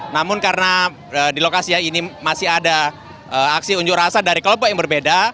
namun karena di lokasi ini masih ada aksi unjuk rasa dari kelompok yang berbeda